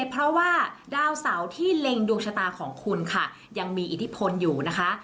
เพราะว่าดาวเสาที่เล็งดวงชะตาของคุณค่ะยังมีอิทธิพลอยู่นะคะ